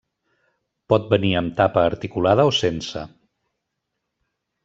Pot venir amb tapa articulada o sense.